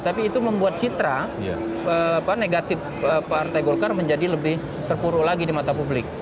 tapi itu membuat citra negatif partai golkar menjadi lebih terpuru lagi di mata publik